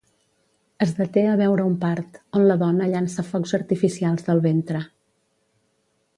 Es deté a veure un part, on la dona llança focs artificials del ventre.